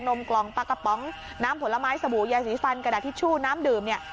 มกล่องปลากระป๋องน้ำผลไม้สบู่ยาสีฟันกระดาษทิชชู่น้ำดื่มเนี่ย